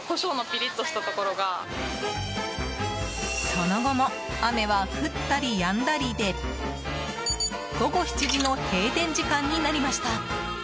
その後も雨は降ったりやんだりで午後７時の閉店時間になりました。